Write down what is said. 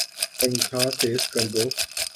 پنکھا تیز کردو